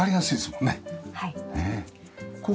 はい。